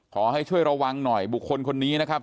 ขอให้ช่วยระวังหน่อยบุคคลคนนี้นะครับ